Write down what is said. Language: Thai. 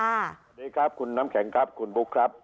สวัสดีครับคุณน้ำแข็งครับคุณบุ๊คครับ